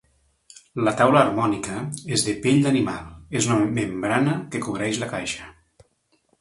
La taula harmònica és de pell d'animal, és una membrana que cobreix la caixa.